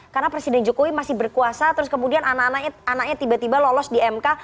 karena presiden jokowi masih berkuasa terus kemudian anak anaknya tiba tiba lolos di mk